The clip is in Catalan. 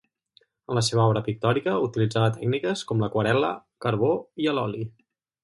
En la seva obra pictòrica utilitzava tècniques com l'aquarel·la, carbó i a l'oli.